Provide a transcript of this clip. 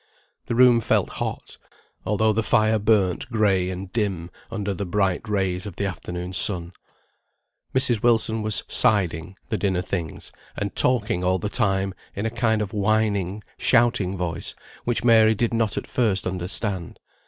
The room felt hot, although the fire burnt gray and dim, under the bright rays of the afternoon sun. Mrs. Wilson was "siding" the dinner things, and talking all the time, in a kind of whining, shouting voice, which Mary did not at first understand.